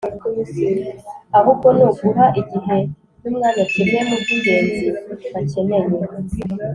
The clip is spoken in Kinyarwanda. ahubwo ni uguha igihen’umwanya kimwe mu by’ingenzi bakeneye.